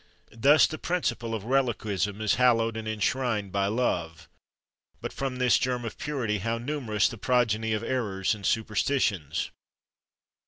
Thus the principle of reliquism is hallowed and enshrined by love. But from this germ of purity how numerous the progeny of errors and superstitions!